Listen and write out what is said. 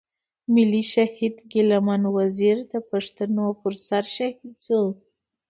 ملي شهيد ګيله من وزير د پښتنو پر سر شهيد شو.